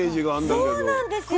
そうなんですよ。